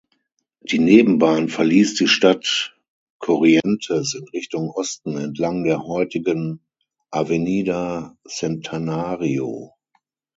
Die Nebenbahn verließ die Stadt Corrientes in Richtung Osten entlang der heutigen "Avenida Centenario".